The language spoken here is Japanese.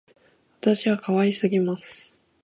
私は可愛すぎます